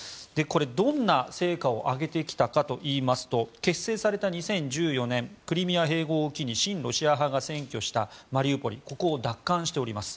どんな成果を上げてきたかといいますと結成された２０１４年クリミア併合を機に親ロシア派が占拠したマリウポリを奪還しております。